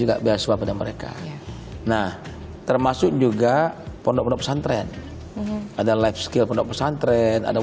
enggak beasiswa pada mereka nah termasuk juga pondok pondok pesantren ada life skill pondok pesantren ada